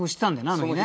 あの日ね。